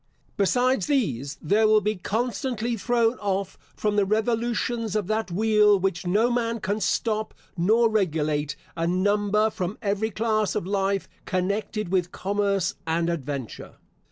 Besides these there will be constantly thrown off from the revolutions of that wheel which no man can stop nor regulate, a number from every class of life connected with commerce and adventure.